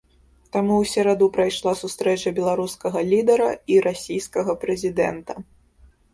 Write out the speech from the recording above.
Там у сераду прайшла сустрэча беларускага лідара і расійскага прэзідэнта.